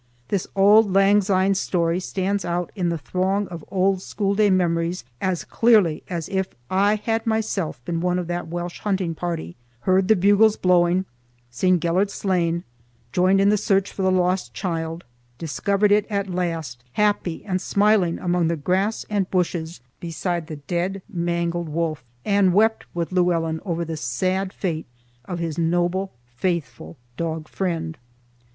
This auld lang syne story stands out in the throng of old schoolday memories as clearly as if I had myself been one of that Welsh hunting party—heard the bugles blowing, seen Gelert slain, joined in the search for the lost child, discovered it at last happy and smiling among the grass and bushes beside the dead, mangled wolf, and wept with Llewellyn over the sad fate of his noble, faithful dog friend.